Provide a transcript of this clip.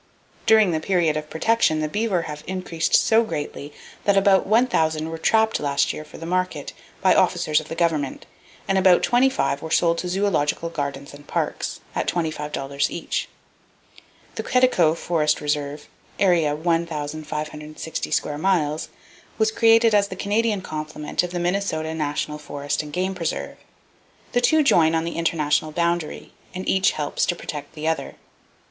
During the period of protection the beaver have increased so greatly that about 1,000 were trapped last year for the market, by officers of the government; and about 25 were sold to zoological gardens and parks, at $25 each. The Quetico Forest Reserve, area 1,560 square miles, was created as the Canadian complement of the Minnesota National Forest and Game Preserve. The two join on the international boundary, and each helps to protect the other.